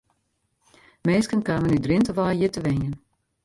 Minsken kamen út Drinte wei hjir te wenjen.